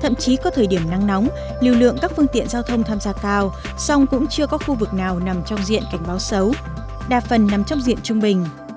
thậm chí có thời điểm nắng nóng lưu lượng các phương tiện giao thông tham gia cao song cũng chưa có khu vực nào nằm trong diện cảnh báo xấu đa phần nằm trong diện trung bình